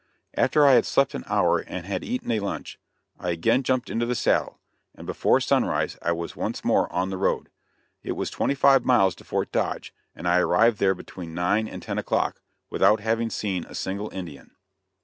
After I had slept an hour and had eaten a lunch, I again jumped into the saddle, and before sunrise I was once more on the road. It was twenty five miles to Fort Dodge, and I arrived there between nine and ten o'clock, without having seen a single Indian.